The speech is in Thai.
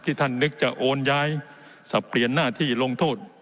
ท่านนึกจะโอนย้ายสับเปลี่ยนหน้าที่ลงโทษ